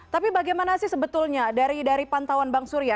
tapi bagaimana sih sebetulnya dari pantauan bang surya